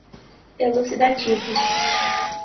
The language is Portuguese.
elucidativo